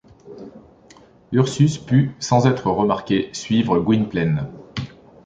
Ursus put, sans être remarqué, suivre Gwynplaine.